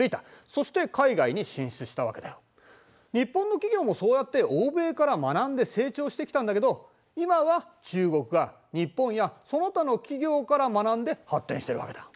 日本の企業もそうやって欧米から学んで成長してきたんだけど今は中国が日本やその他の企業から学んで発展してるわけだ。